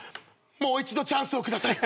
もう一度チャンスを下さい。